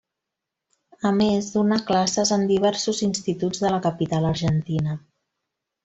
A més donà classes, en diversos instituts de la capital argentina.